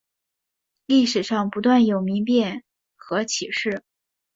历史上不断有民变和起事。